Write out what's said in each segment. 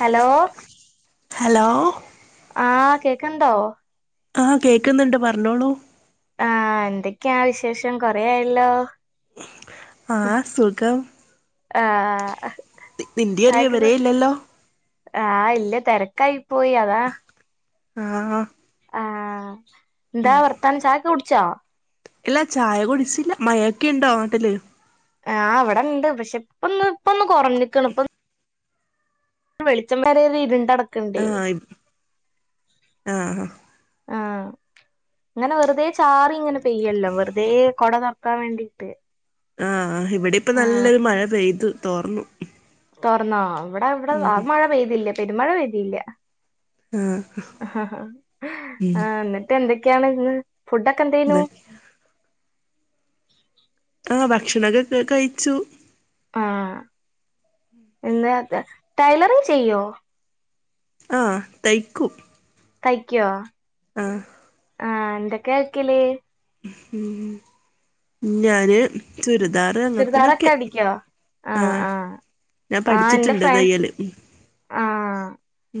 Hello hello ആഹ് കേക്കണ്ടോ? ആഹ് കേക്കുന്നുണ്ട് പറഞ്ഞോളൂ ആഹ് എന്തൊക്കെയാ വിശേഷം കൊറെയായല്ലോ? ആഹ് സുഖം ആ നിന്റെയൊരു വിവരെ ഇല്ലല്ലോ ആഹ് ഇല്ല തെരക്കായി പോയി അതാ ആഹ് ആഹ് ന്താ വർത്താനം ചായൊക്കോ കുടിച്ചോ? ഇല്ല ചായ കുടിച്ചില്ല മയൊക്കെ ഇണ്ടോ നാട്ടില് ആഹ് ഇവിടെ ഇണ്ട് പക്ഷെ ഇപ്പൊന്ന് ഇപ്പൊന്ന് കൊറഞ്ഞിക്കണ് ഇപ്പം വെളിച്ചം വെരെ ഒര് ആ ഇരുണ്ടടക്കുണ്ടേനി ഇ- ആ ആഹ് ഇങ്ങനെ വെറുതെ ചാറി ഇങ്ങനെ പെയ്യല്ലോ വെറുതെ കൊട തൊറക്കാൻ വേണ്ടി [unintelligible] ആഹ് ഇവിടെ ഇപ്പ നല്ലൊരു മഴ പെയ്തു തോർന്നു തോർന്നോ ഇവിടെ ഇവിടെ ആ ഉം മഴ പെയ്തില്ല പെരുമഴ പെയ്തിയില്ല ആ ആഹ് ഉം എന്നിട്ട് എന്തൊക്കെയാണ്ന്ന് ഫുഡൊക്കെ എന്തെയ്നു? ഇതാ. ആഹ് ഭക്ഷണൊക്കെ ക് കഴിച്ചു ആഹ് [unintelligible] ടൈലറിങ് ചെയ്യോ? ആഹ് തൈക്കും തയ്ക്കോ? ആഹ് ആഹ് എന്തൊക്കെ ആയ്ക്കല്? ഞാന് ചുരിദാറ് ചുരിദാറൊക്കെ അങ്ങനത്തിനൊക്കെ അടിക്കോ ആഹ് ഞാൻ ആഹ് എന്റെ പഠിച്ചിട്ടുണ്ട് ഫ്ര തയ്യല് ആഹ്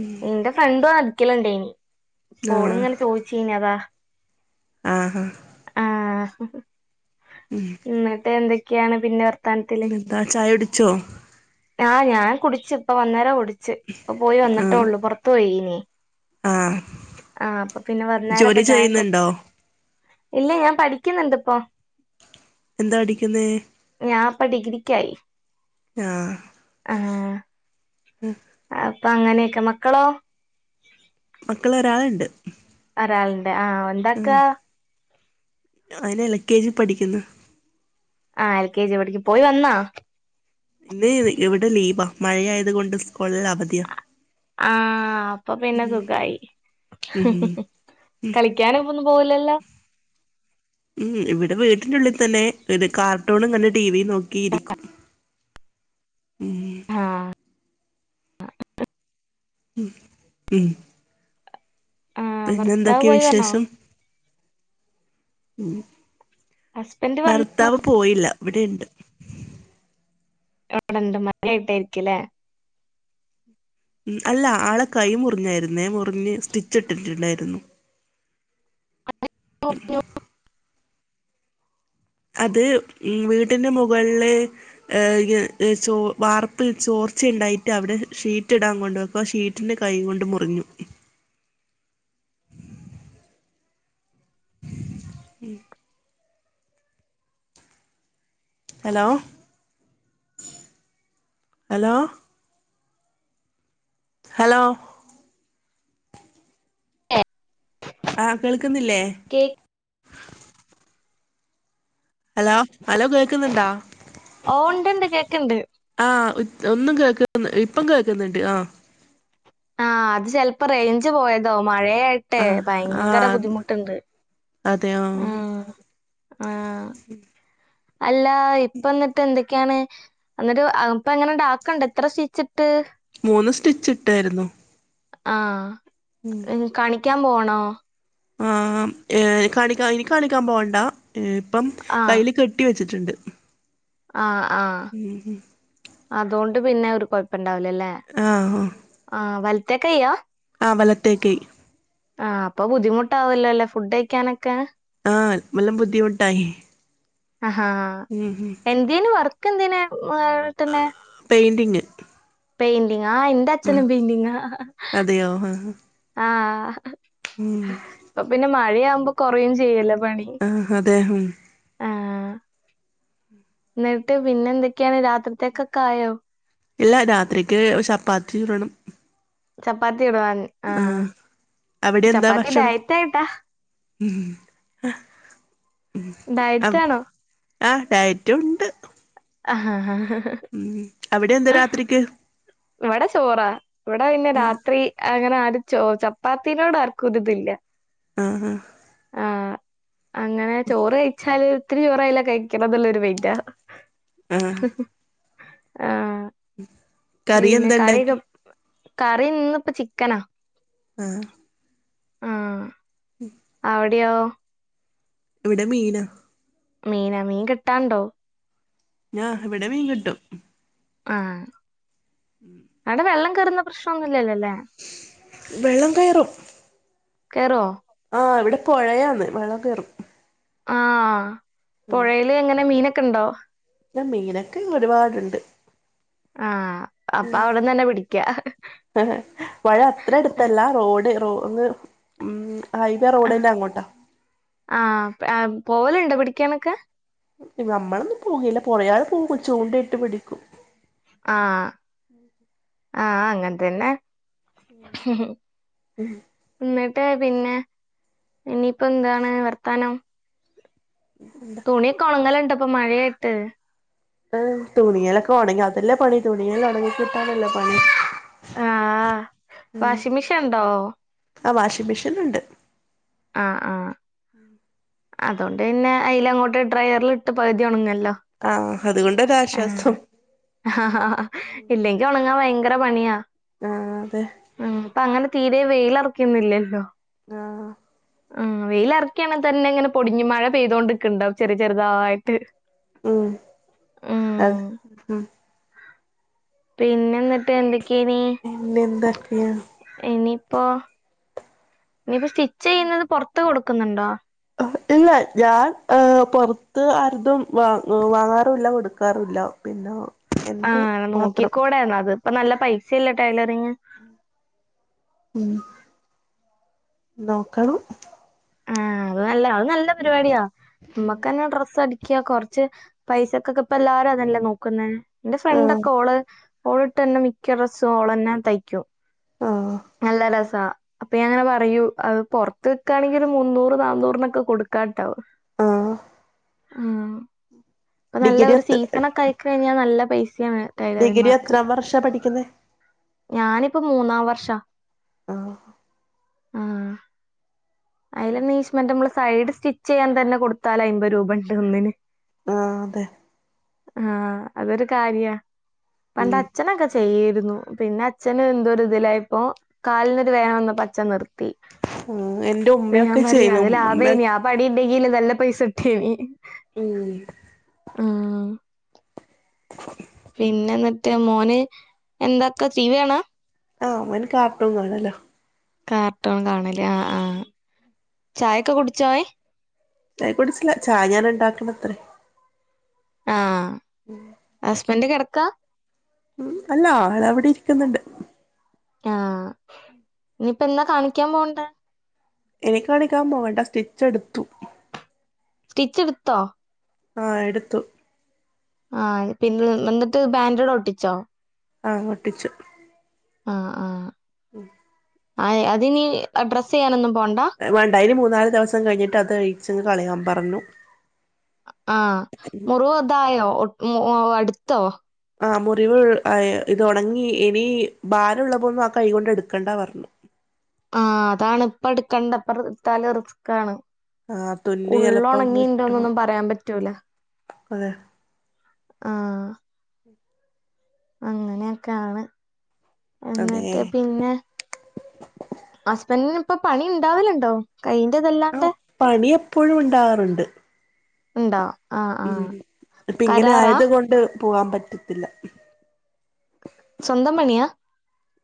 ഉം എന്റെ ഫ്രണ്ടും അടിക്കല്ണ്ടേനി ആ ഇപ്പോള്ങ്ങനെ ചോദിച്ചീനി അതാ ആഹ് ആഹ് ഉം ന്നിട്ട് എന്തൊക്കെയാണ് പിന്നെ വർ പിനെന്താ ചായ കുടിച്ചോ? ആഹ് ഞാൻ കുടിച്ച് ഇപ്പ വന്നേരം കുടിച്ച് ഇപ്പ പോയി വന്നിട്ടേ ആ ഉള്ളൂ പുറത്തു പോയിന് ആഹ് ആഹ് അപ്പൊ പിന്നെ വന്നേരപ്പൊ ജോലി ചായപ്പൊ ചെയ്യുന്നുണ്ടോ ഇല്ലേ ഞാൻ പഠിക്കുന്നുണ്ട്പ്പൊ എന്താ പഠിക്കുന്നേ? ഞാൻ ഇപ്പ ഡിഗ്രിക്കായി ആഹ് ആഹ് ഉം അപ്പൊ അങ്ങനെയൊക്കെ മക്കളോ മക്കള് ഒരാളുണ്ട് ഒരാളുണ്ട് ആഹ് ഉം എന്താക്കാ അവൻ എൽ കെ ജി പഠിക്കുന്നു ആ എൽ കെ ജി പഠിക്കുന്നു പോയി വന്നാ ഇന്ന് ഇവിടെ ലീബാ മഴയായത് കൊണ്ട് സ്കൂളിൽ അവധിയ ആഹ അപ്പൊ പിന്നെ സുഖയി ഉം കളി കളിക്കാനൊന്നും പോകലല്ലോ ഉം ഇവിടെ വീട്ടിന്റെ ഉള്ളിൽ തന്നെ ഒരു കാർട്ടൂണും അങ്ങനെ ടിവിയും നോക്കിയിരിക്കും ഉം ആഹ് ഉം ആഹ് പിന്നെ ഭർത്താവ് എന്തൊക്കെയ പോയി വന്നോ വിശേഷം ഉം ഹുസ്ബൻഡ് വന്ന ഭർത്താവ് പോയില്ല ഇവിടെ ഉണ്ട് [unintelligible] ഉം അല്ല ആളെ കൈ മുറിഞ്ഞായിരുന്നേ മുറിഞ്ഞ് സ്റ്റിച്ച് ഇട്ടിട്ടുണ്ടായിരുന്നു [unintelligible] അത് ഇ വീട്ടിന്റെ മുകളില് ചോ വാർപ്പ ചോർച്ചയുണ്ടായിട്ട് അവിടെ ഷീറ്റ് ഇടാൻ കൊണ്ട്െക്കും അപ്പൾ ആ ഷീറ്റിൻന്റെറെ കൈക കൊണ്ട് മുറിഞ്ഞു ഉം ഹലോ ഹലോ ഹലോ [unintelligible] ആഹ് കേൾക്കുന്നില്ലേ കേക്ക് ഹലോ ഹലോ കേക്കുന്നുണ്ടോ ഓ ഉണ്ട്ണ്ട് കേക്കുണ്ട് ആഹ് ഒന്നും കേക്ക ഇപ്പം കേൾക്കുന്നുണ്ട് ആഹ് ആഹ് അത് ചെലപ്പോ റേഞ്ച് പോയതോ മഴയ ട്ടെ ആ ആ ഭയങ്കര ബുദ്ധിമുട്ടുണ്ട് അതെ ആ ആഹ് ആഹ് അല്ല ഇപ്പ എന്നിട്ട് എന്തൊ യാണ് എന്നിട്ട് ഇപ്പ എങ്ങനെണ്ടാക്കണ്ട് എത്ര സ്റ്റിച്ചിട്ട് മൂന്ന് സ്റ്റിച്ച് ഇട്ടായിരുന്നു ആഹ് ഉം ഉം കണിക്കാൻ പോവാണോ ആഹ് [unintelligible] എനി കാണിക്കാൻ പോകണ്ട ഇപ്പം ആഹ് കയ്യില് കെട്ടി വെച്ചിട്ടുണ്ട് ആഹ് ആഹ് [unintelligible] അതുകൊണ്ട് പിന്നെ ഒരു കുഴപ്പംഉണ്ടാവല അല്ലെ ആഹ് ആഹ് വലത്തേ കയ്യാ ആ വലത്തേ കയ്യ്‌ ആഹ് അപ്പൊ ബുദ്ധിമുട്ടാവല്ലോ അല്ലേ ഫുഡ് കഴിക്കാനൊക്കെ ആഹ് വല്ലം ബുദ്ധിമുട്ടായി ആഹാ ഉം ഉം എന്ത്‌ നു.. വർക്ക്‌ന്തേനു ഏട്ടന്റെ പെയിന്റിങ് പെയിന്റിങാ എന്റച്ഛനും പൈന്റിങാ അതിയോ ആഹ് ഇപ്പൊ പിന്നെ മഴയാവുമ്പോ കൊറയും ചെയ്യല്ലോ പണി ആഹ് അതെ ആഹ് എന്നിട്ട് പിന്നെന്തൊക്കെയാണ് രാത്രിത്തേക്കൊക്കായോ ഇല്ല രാത്രിക്ക് ചപ്പാത്തി ചുടണം ചപ്പാത്തി ചുടണോനി ആഹ് അവിടെ എന്താ ചപ്പാത്തി ഭക്ഷണം ഡയറ്റായിട്ടാ ഡയറ്റ് ആഹ് ആണോ ആഹ് ഡയറ്റും ഉണ്ട് ആഹാ ഹാ ഉം അവിടെ എന്താ രാത്രിക്ക് ഇവിടെ ചോറാ ഇവിടെ പിന്നെ ആഹ് രാത്രി അങ്ങനെ ആര് ചോ ചപ്പാത്തിനോട് ആർക്കും ഒരിതില്ല ആഹ് ആഹ് ആഹ് അങ്ങനെ ചോറ് കഴിച്ചാല് ഇത്തിരി ചോറായലും കഴിക്കണന്നുള്ള ഒരു മൈൻഡാ ആഹ് ആഹ് [inaudible] പിന്നെ എന്താ കറി ഇണ്ടാക്കി കറി ഇന്ന് ഇപ്പ ചിക്കനാ ആഹ് ആഹ് ഉം അവിടെയോ ഇവിടെ മീനാ മീനാ മീൻ കിട്ടാണ്ടോ ഞാ ഇവിടെ മീൻ കിട്ടും ആഹ് അവിടെ വെള്ളം കേറുന്ന പ്രശ്നമൊന്നുല്ലല്ലോല്ലേ വെള്ളം കയറും കേറോ ആഹ് ഇവിടെ പുഴയാന്ന് വെള്ളം കേറും ആഹ് പൊഴേല് എങ്ങനെ മീനൊക്കെണ്ടോ മീനൊക്കെ ഒരുപാടുണ്ട് ആഹ് അപ്പൊ അവിടന്നന്നെ പിടിക്ക പുഴ അത്ര അടുത്തല്ല റോഡ് റോന്ന് ഉം ഹൈവേ റോഡിന്റെ അങ്ങോട്ട ആഹ് പോവലുണ്ടോ പിടിക്കാനൊക്കെ നമ്മളൊന്നും പോകില്ല കൊറയാള് പോകും ചൂണ്ട ഇട്ട് പിടിക്കും ആഹ് ആഹ് അങ്ങനെ തന്നെ [unintelligible] എന്നിട്ട് പിന്നെ ഇനിയിപ്പോ എന്താണ് വ ർത്താനം തുണിയകൊണുങ്ങലുണ്ട്പ്പൊ മഴയായിട്ട് തുണിലൊക്കെ ഒണങ്ങി അതെല്ലേ പണി തുണിയലൊക്കെ ഉണങ്ങി കിട്ടാണല്ലേ പണി ആഹ് വാഷിംങ്‌ മെഷീൻ ഉണ്ടോ ആഹ് വാഷിംഗ് മെഷീൻ ഉണ്ട് ആഹ് ആഹ് അതൊണ്ട് പിന്നെ അയിൽ അങ്ങോട്ട് ഡ്രയറിൽ ഇട്ട് പകുതി ഉണങ്ങല്ലോ ആഹ് അതുകൊണ്ടരാശ്വാസം ആഹ് ഇല്ലെങ്കി ഉണങ്ങാൻ ഭയങ്കര പണിയാ ആഹ് അതെ ഉ അപ്പൊ അങ്ങനെ തീരെ വെയിലറക്കുന്നില്ലല്ലോ ആ ആ വെയില ഇറക്കിയാണെങ്ക തന്നെ ഇങ്ങനെ പൊടിഞ് മഴ പെയ്തുകോകൊണ്ടിരിക്കുന്നുണ്ടാവും ചെറിയ ചെറുതായിട്ട് ഉം ഉം അത് ഉ പിന്നെ എന്നിട്ട് എന്തൊക്കെയ പിന്നെന്തൊക്കെയ? ഇനിയിപ്പോ നിപ്പോസ്റ്റിച്ചെയ്യുന്നത് പൊർത്ത് കൊട്ക്കുന്നുണ്ടോ? ഇല്ല ഞാൻ ഏ പൊർത്ത് ആര്തും വാങ്ങാറുല്ല്യ കൊടുക്കാറുല്ല. പിന്നോ ആഹ് നോക്കിക്കൂടൊന്നത് ഇപ്പനല്ല പൈസല്ലേ ടൈലറിങ്ങ് ഉം നോക്കണം. ആഹ് അതല്ല അത് നല്ല പരിപാടിയാ മ്മക്കന്നെ ഡ്രസ്സടി ക്ക്യാ കൊർച്ച് പൈസൊക്കൊക്കെ ഇപ്പല്ലാരും അതല്ലേ നോക്കുന്നേ ഇന്റെ ആഹ് ഫ്രണ്ടൊക്കെ ഓള് ഓൾട്ടെര്ണെ മിക്കഡ്രസ്സും ഓളെന്നെ തയ്ക്കും. ആഹ് നല്ലരെസാ അപ്പൊ ഞാനാപറയൂ അഹ് പൊർത്ത് വിക്കാണെങ്കിൽ ഒര് മുന്നൂറ് നന്നൂറിനൊക്കെ കൊടുക്കാട്ടോ. ആഹ് ആഹ് ഇപ്പൊനല്ല ഡിഗ്രി ഒര് എത്ര സീസണൊക്കയ്ക്ക് കഴിഞ്ഞാൽ നല്ലപൈസേണ്. ഡിഗ്രി എത്രാംവർഷം പഠിക്കുന്നേ ഞാനിപ്പോ മൂന്നാംവർഷ ആഹ് ആഹ് അയ്ല്നീശ്മെന്റ് മ്മള്സൈഡ് സ്റ്റിചെയ്യാൻ തെന്നെകൊടുത്താലയ്മ്പത് രൂപണ്ട് ഒന്നിന് അഹ് അതെ ആഹ് അതൊരുകാര്യ പണ്ട് ഉം അച്ഛനൊക്കെചെയ്യേര്ന്നു പിന്നെഅ ച്ഛന് എന്തോരുതിലയപ്പോ കാൽന്നൊരു വേനവന്നപ്പോ അച്ഛൻനിർത്തി. ആഹ് എന്റെ ഉമ്മയൊക്കെചെയ്യുന്നു ഉമ്മയൊക്കേ വടിണ്ടെങ്കിൽ നല്ലപൈസ ഇട്ടിനി ഉം [inaudible] പിന്നെന്ന്ട്ട് മോന്എന്താക്ക ടീ വി കാണാ ആഹ് ഓന് കാർട്ടൂൺകാണാലോ. കാർട്ടോൺ കാണലേ ആഹ് ആഹ് ചായൊക്കെകുടിച്ചോ അവൻ ചായ കുടിച്ചില്ല ചായ ഞാൻ ഇണ്ടാക്കണത്രേ ആഹ് ഹസ്ബന്റ് കെടക്കാ? ഉം അല്ല ആളവിടെ ഇരിക്കുന്നുണ്ട്. ആഹ് [inaudible] നിപ്പോ എന്നാകാണിക്കാൻ പോവണ്ടേ? എനിക്കണിക്കാൻ പോകണ്ട സ്റ്റിച്ച് എട്ത്തു. സ്റ്റിച്ച് ഇട്ത്തോ? ആഹ് എടുത്തു. ആഹ് പിന്നെന്ന്ട്ട് ബാന്റെട്ഒട്ടിച്ചോ? ആഹ് ഒട്ടിച്ചു. ആഹ് ആഹ് ഉം അഹ് അത് ഇനി ഡ്രസ്സെയ്യാനൊന്നും പോണ്ട? വാണ്ടഇനി മൂന്നാല് ദിവസം കഴിഞ്ഞിട്ട് അത് കഴിച്ച്ങ്ങ് കളയാൻപറഞ്ഞു. ആഹ് മുറിവ് ഇതായോ ഒ മ് അട്ത്തോ ആഹ് മുറിവ് ആഹ് ഇത് ഒണങ്ങി ഇനി ഭാരള്ളതൊന്നും ആ കൈയ്യ് കൊണ്ട് എടുക്കണ്ടാ പറഞ്ഞു. ആഹ് അതാണ് ഇപ്പ എട്ക്കണ്ട ഇപ്പോ എടുത്താല് റിസ്ക്കാണ്. ആ തുന്നി എളുപ്പം വിട്ടു ഉള്ളൊണങ്ങിണ്ടോന്നൊന്നും പറയാൻ പറ്റൂല. അതെ ആഹ് അങ്ങനെയൊക്കെയാണ് അതെ എന്നിട്ട് പിന്നെ ഹസ്ബന്റിന് ഇപ്പ പണി ഉണ്ടാവലുണ്ടോ ആ കയ്യിന്റെതല്ലാണ്ടെ പണി എപ്പോഴും ഉണ്ടാകാറുണ്ട് ഉണ്ടോ ആഹ് ഉമ് ഇപ്പൊ ഇങ്ങനെ ആയതു കൊണ്ട് പോവാൻ പറ്റത്തില്ല സ്വന്തം പണിയാ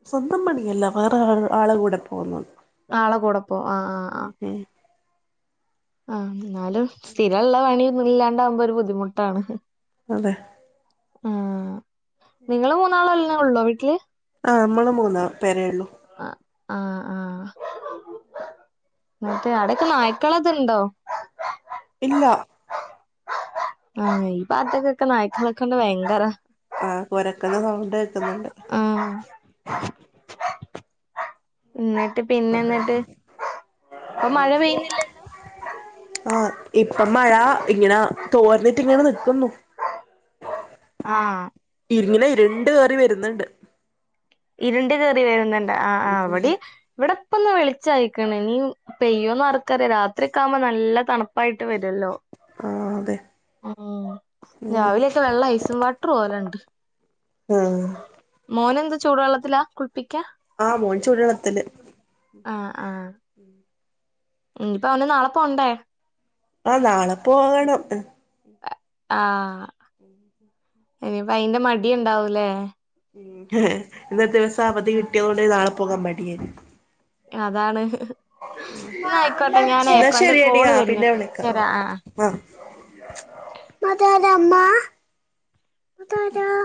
സ്വന്തം പണിയല്ല വേറെ ആളെ കൂടെ പോകുന്നതാ ആളെ കൂടെ പോ ആഹ് ആഹ് ആഹ് ഉമ് ആഹ് എന്നാലും സ്ഥിരള്ള പണിയൊന്നും ഇല്ലാണ്ടാവുമ്പോ ഒരു ബുദ്ധിമുട്ടാണ് അതെ ആഹ് നിങ്ങള് മൂന്നാളല്ലേ ഉള്ളോ വീട്ടില് ആഹ് നമ്മള് മൂന്ന് പേരേള്ളു ആഹ് ആഹ് ആഹ് മറ്റേ അവിടൊക്കെ നായ്ക്കളൊക്കെ ഇണ്ടോ ഇല്ല ആഹ് ഈ ഭാഗത്തൊക്കൊക്കെ നായ്ക്കളെ കൊണ്ട് ഭയങ്കര ആഹ് കുരക്കുന്ന സൗണ്ട് കേക്കുന്നുണ്ട് ആഹ് എന്നിട്ട് പിന്നെ എന്നിട്ട് ഇപ്പൊ മഴ പെയ്യുന്നില്ല ആഹ് ഇപ്പം മഴ ഇങ്ങനെ തോർന്നിട്ടിങ്ങനെ നിക്കുന്നു ആഹ് ഇങ്ങനെ ഇരുണ്ട് കേറി വരുന്നുണ്ട് ഇരുണ്ട് കേറി വരുന്നുണ്ട് ആഹ് ആഹ് ഇവിടെയും ഇവിടെ പ്പന്ന് വെളിച്ചായിക്കണ് ഇനിയും പെയ്യൊന്ന് ആർക്കറിയാം രാത്രിയൊക്കെ ആവുമ്പോ നല്ല തണുപ്പായിട്ട് വരുല്ലോ ആഹ് അതെ ആഹ് ഉം രാവിലെയൊക്കെ വെള്ള ഐസും വാട്ടർ പോലെയുണ്ട് ആഹ് മോനെന്ത് ചൂടു വെള്ളത്തിലാ കുളിപ്പിക്കാ ആഹ് മോൻ ചൂടു വെള്ളത്തില് ആഹ് ആഹ് ഉമ് ഉമ് ഇപ്പൊ അവന് നാളെ പോണ്ടേ ആഹ് നാളെ പോകണം ആഹ് ഇനിയിപ്പ അയിന്റെ മടി ഇണ്ടാവു ലേ ഇന്നത്തെ ദിവസം അവധി കിട്ടിയത് കൊണ്ട് നാളെ പോകാൻ മടിയ അതാണ് എന്നാ ആയിക്കോട്ടെ ഞാനേ എന്നാ ഇക്കാന്റെ ശെരിയടിയാ കോള് പിന്നെ വരുന്നുണ്ട് വിളിക്കാം ശരി ആഹ് മ്മ അതാരാ അമ്മ അതാരാ